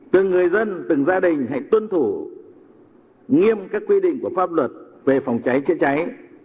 từng người dân từng gia đình hãy tuân thủ nghiêm các quy định của pháp luật về phòng cháy chữa cháy